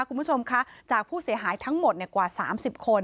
คุณผู้ชมคะจากผู้เสียหายทั้งหมดกว่า๓๐คน